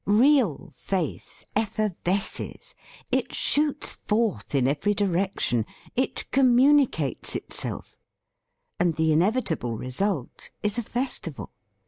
Real faith effervesces ; it shoots forth in every direction; it communicates it self. And the inevitable result is a fes tival.